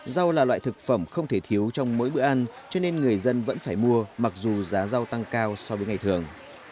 rau là loại thực phẩm không thể thiếu trong mỗi bữa ăn cho nên người dân vẫn phải mua mặc dù giá rau tăng cao so với ngày thường